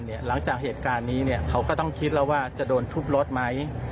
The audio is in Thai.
หลังจากเหตุการณ์นี้เขาก็ต้องคิดแล้วว่าจะโดนทุบรถไหม